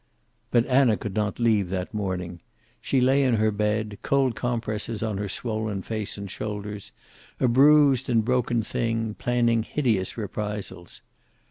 But Anna could not leave that morning. She lay in her bed, cold compresses on her swollen face and shoulders, a bruised and broken thing, planning hideous reprisals.